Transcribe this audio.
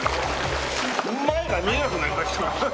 前が見えなくなりました。